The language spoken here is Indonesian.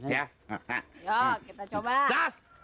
yuk kita coba